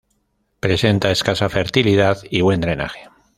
Presenta escasa fertilidad y buen drenaje.